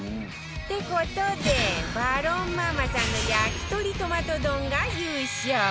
って事でバロンママさんの焼き鳥トマト丼が優勝